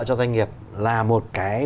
cho doanh nghiệp là một cái